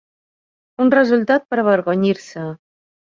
Un resultat per avergonyir-se.